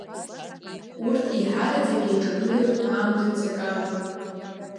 Урҭ еиҳараӡак еиҿагылоит аамҭатә ҵакала.